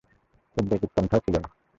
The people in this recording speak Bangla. উদ্বেগ উৎকণ্ঠাও ছিল না।